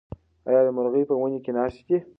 ایا مرغۍ په ونې کې ناستې دي؟